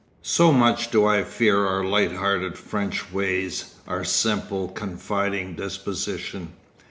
So much do I fear our light hearted French ways, our simple, confiding disposition.